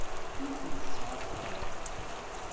Ur tent-ttɛaqabeɣ.